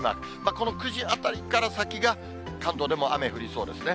この９時あたりから先が、関東でも雨降りそうですね。